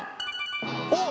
おっ！